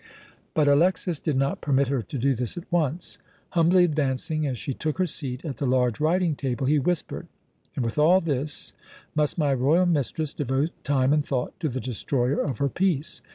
But Alexas did not permit her to do this at once. Humbly advancing as she took her seat at the large writing table, he whispered: "And with all this, must my royal mistress devote time and thought to the destroyer of her peace.